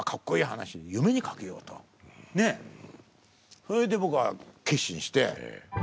それで僕は決心して。